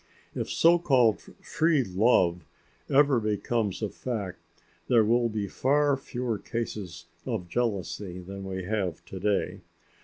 If so called "free love" ever becomes a fact there will be far fewer cases of jealousy than we have to day.